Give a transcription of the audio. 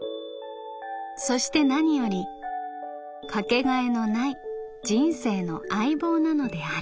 そして何よりかけがえのない人生の相棒なのである」。